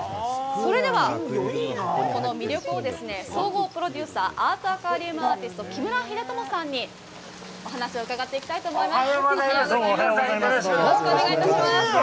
それでは、この魅力を総合プロデューサー、アートアクアリウムアーティスト、木村英智さんにお話を伺っていきたいと思います。